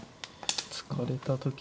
突かれた時。